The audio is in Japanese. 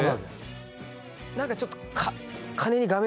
何かちょっと金に。